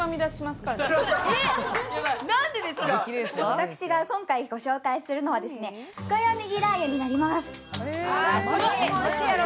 私が今回ご紹介するのは、深谷ねぎラー油になります。